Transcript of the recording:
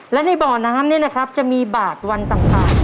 และในบ่อน้ำเนี่ยนะครับจะมีบาดวันต่างหาก